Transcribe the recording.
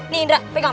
nih indra pegang